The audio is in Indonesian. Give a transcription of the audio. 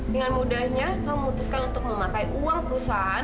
dengan mudahnya kamu memutuskan untuk memakai uang perusahaan